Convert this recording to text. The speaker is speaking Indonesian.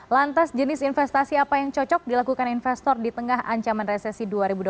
lantas jenis investasi apa yang cocok dilakukan investor di tengah ancaman resesi dua ribu dua puluh tiga